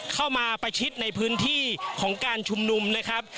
ประชิดในพื้นที่ของการชุมนุมนะครับ